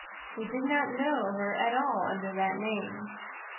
We did not know her at all under that name.